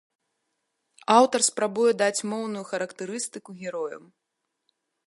Аўтар спрабуе даць моўную характарыстыку героям.